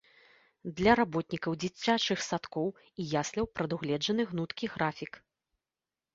Для работнікаў дзіцячых садкоў і ясляў прадугледжаны гнуткі графік.